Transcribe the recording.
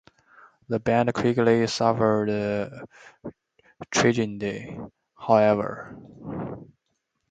The band quickly suffered tragedy, however.